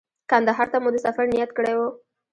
کندهار ته مو د سفر نیت کړی و.